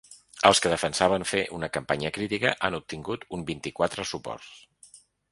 Els que defensaven fer una campanya ‘crítica’ han obtingut un vint-i-quatre suports.